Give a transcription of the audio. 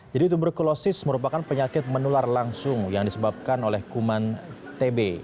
jadi tuberkulosis merupakan penyakit menular langsung yang disebabkan oleh kuman tb